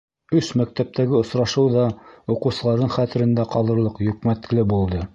Өс мәктәптәге осрашыу ҙа уҡыусыларҙың хәтерендә ҡалырлыҡ йөкмәткеле булды.